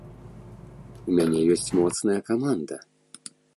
У мяне ёсць моцная каманда.